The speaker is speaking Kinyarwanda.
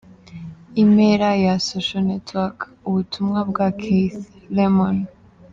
Impera ya {socialnetworck} ubutumwa bwa keithlemon.